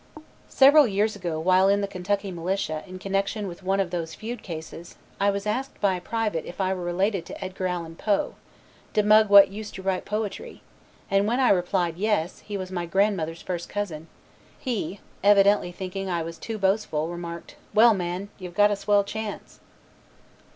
Several years ago while in the Kentucky Militia in connection with one of those feud cases, I was asked by a private if I were related to Edgar Allan Poe, "De mug what used to write poetry," and when I replied, "Yes, he was my grandmother's first cousin," he, evidently thinking I was too boastful, remarked, "Well, man, you've got a swell chance."